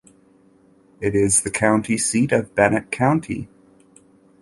It is the county seat of Bennett County.